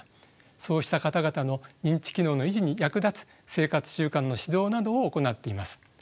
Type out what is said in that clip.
そうした方々の認知機能の維持に役立つ生活習慣の指導などを行っています。